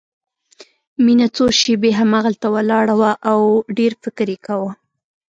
مينه څو شېبې همهغلته ولاړه وه او ډېر فکر يې کاوه.